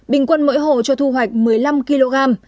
bình quân mỗi hộ cho thu hoạch một mươi năm kg